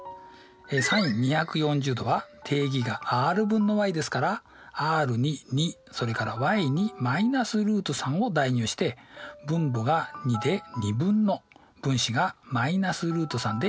ｓｉｎ２４０°は定義がｒ分のｙですからｒに２それからｙに−ルート３を代入して分母が２で２分の分子が−ルート３で２分の−ルート３。